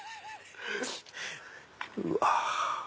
うわ。